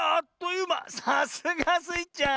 さすがスイちゃん。